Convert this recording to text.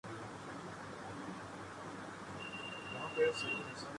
نہ کوئی مصرف ہے۔